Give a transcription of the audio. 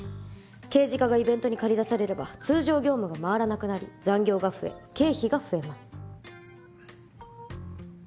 刑事課がイベントに駆り出されれば通常業務が回らなくなり残業が増え経費が増えます。